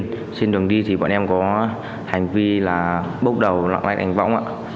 trên đường đi thì bọn em có hành vi là bốc đầu lạng lách đánh võng ạ